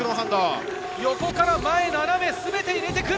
横から前、斜め、全て入れてくる。